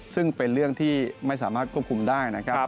ซึ่งเป็นเรื่องที่ไม่สามารถควบคุมได้นะครับ